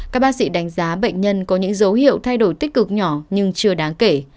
các bác sĩ đánh giá bệnh nhân có những dấu hiệu thay đổi tích cực nhỏ nhưng chưa đáng kể